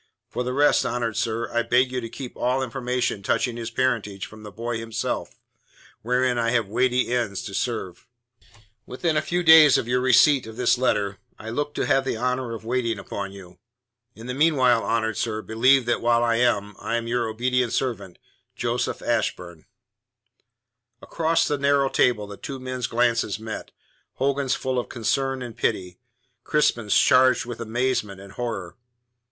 For the rest, honoured sir, I beg you to keep all information touching his parentage from the boy himself, wherein I have weighty ends to serve. Within a few days of your receipt of this letter, I look to have the honour of waiting upon you. In the meanwhile, honoured sir, believe that while I am, I am your obedient servant, JOSEPH ASHBURN Across the narrow table the two men's glances met Hogan's full of concern and pity, Crispin's charged with amazement and horror.